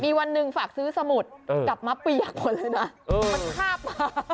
มีวันหนึ่งฝากซื้อสมุดกลับมาเปียกหมดเลยนะมันคาบมา